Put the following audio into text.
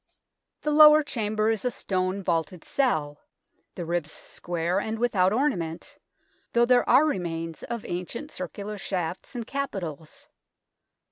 The lower chamber is a stone vaulted cell, the ribs square and without ornament, though there are remains of ancient circular shafts and capitals.